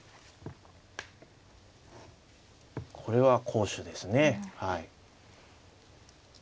これは好手ですね。